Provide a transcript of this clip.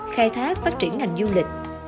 khai thác phát triển ngành du lịch